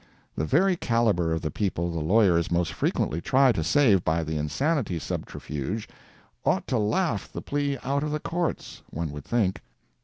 The very calibre of the people the lawyers most frequently try to save by the insanity subterfuge, ought to laugh the plea out of the courts, one would think.